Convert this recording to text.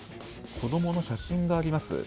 子どもの写真があります。